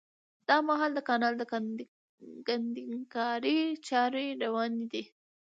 دا مهال د کانال د کندنکارۍ چاري رواني دي